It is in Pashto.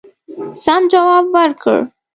سم جواب ورکړ.